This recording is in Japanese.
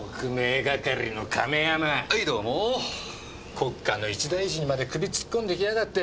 国家の一大事にまで首突っ込んできやがって。